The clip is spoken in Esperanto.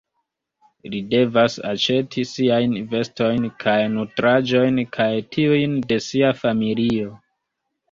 Li devas aĉeti siajn vestojn kaj nutraĵojn kaj tiujn de sia familio.